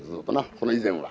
この以前は。